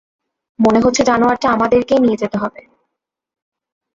মনে হচ্ছে জানোয়ারটা আমাদেরকেই নিয়ে যেতে হবে।